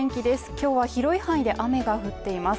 今日は広い範囲で雨が降っています。